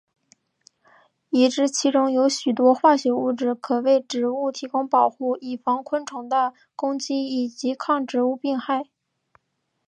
已知其中有许多化学物质可为植物提供保护以防昆虫的攻击以及抗植物病害。